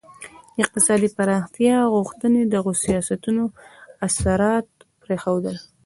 د اقتصادي پراختیايي غوښتنې دغو سیاستونو اثرات پرېښودل.